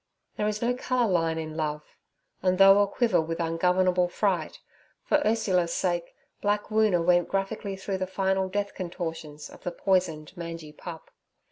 There is no colour line in love, and though a quiver with ungovernable fright, for Ursula's sake black Woona went graphically through the final death contortions of the poisoned mangy pup.